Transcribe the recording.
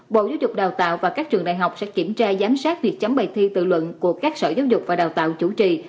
bộ giáo dục đào tạo và các trường đại học sẽ kiểm tra giám sát việc chấm bài thi tự luận của các sở giáo dục và đào tạo chủ trì